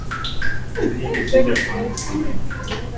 tangu karne ya kumi na saba hadi mwisho wa karne ya kumi na nane